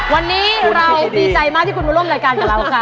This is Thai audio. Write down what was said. วันนี้เราดีใจมากที่คุณมาร่วมรายการกับเราค่ะ